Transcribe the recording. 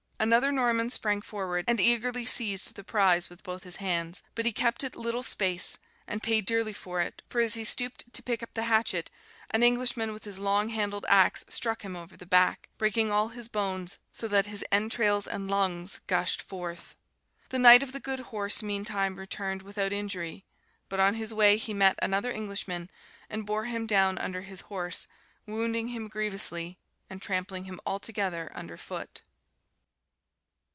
Another Norman sprang forward and eagerly seized the prize with both his hands, but he kept it little space, and paid dearly for it, for as he stooped to pick up the hatchet, an Englishman with his long handled axe struck him over the back, breaking all his bones, so that his entrails and lungs gushed forth. The knight of the good horse meantime returned without injury; but on his way he met another Englishman, and bore him down under his his horse, wounding him grievously, and trampling him altogether under foot.